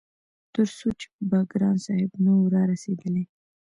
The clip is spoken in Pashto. تر څو چې به ګران صاحب نه وو رارسيدلی-